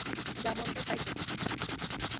যা মন চায় তাই করব।